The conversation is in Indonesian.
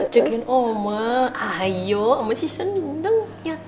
jagain omah ayo omah masih seneng